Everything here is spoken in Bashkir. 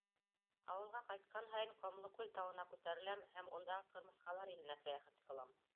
Ауылға ҡайтҡан һайын Ҡомлокүл тауына күтәреләм һәм ундағы ҡырмыҫҡалар иленә сәйәхәт ҡылам.